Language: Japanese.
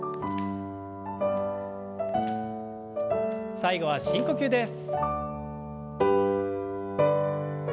最後は深呼吸です。